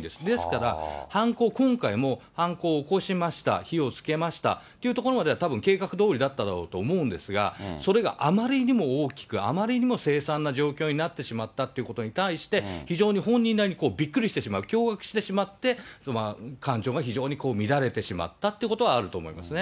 ですから、犯行、今回も犯行を起こしました、火をつけました、というところまでは、たぶん計画どおりだったんだろうと思うんですが、それがあまりにも大きく、あまりにも凄惨な状況になってしまったっていうことに対して、非常に本人なりにびっくりしてしまう、驚がくしてしまって、感情が非常に乱れてしまったってことはあると思いますね。